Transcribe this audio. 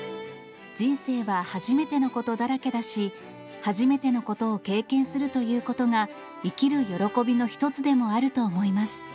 人生は初めてのことだらけだし、初めてのことを経験するということが、生きる喜びの一つでもあると思います。